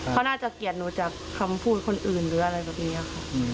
เขาน่าจะเกลียดหนูจากคำพูดคนอื่นหรืออะไรแบบนี้ค่ะ